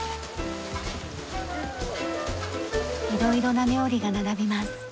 いろいろな料理が並びます。